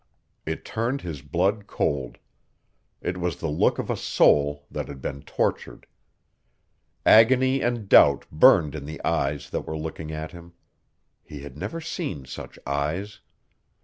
It turned his blood cold. It was the look of a soul that had been tortured. Agony and doubt burned in the eyes that were looking at him. He had never seen such eyes.